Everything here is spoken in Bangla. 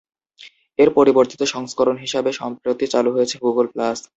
এর পরিবর্তিত সংস্করণ হিসেবে সম্প্রতি চালু হয়েছে গুগল প্লাস।